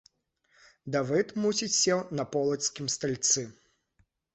Давыд мусіць сеў на полацкім стальцы.